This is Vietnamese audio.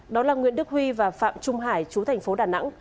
đó là nguyễn đức huy và phạm trung hải chú thành phố đà nẵng